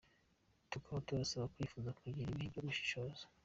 Tukaba tubasaba byifuze kugira igihe cyo gushishoza.